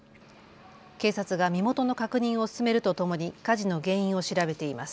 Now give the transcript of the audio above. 警察が身元の確認を進めるとともに火事の原因を調べています。